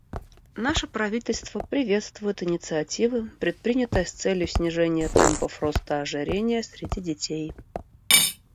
Наше правительство приветствует инициативы, предпринятые с целью снижения темпов роста ожирения среди детей.